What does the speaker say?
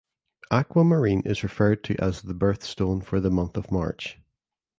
Aquamarine is referred to as the birth stone for the month of March.